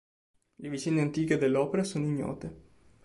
Le vicende antiche dell'opera sono ignote.